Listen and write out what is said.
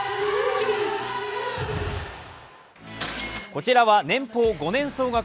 こちらは年俸５年総額